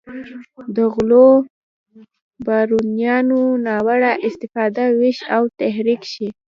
د غلو بارونیانو ناوړه استفاده ویښ او تحریک شي.